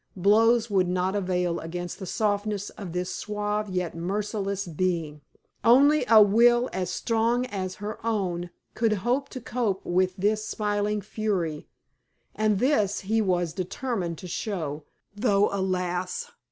Blows would not avail against the softness of this suave, yet merciless, being. Only a will as strong as her own could hope to cope with this smiling fury; and this he was determined to show, though, alas!